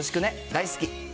大好き！